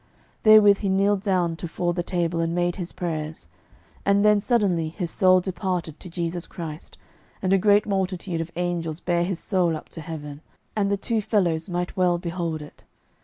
Therewith he kneeled down tofore the table and made his prayers, and then suddenly his soul departed to Jesu Christ, and a great multitude of angels bare his soul up to heaven, and the two fellows might well behold it.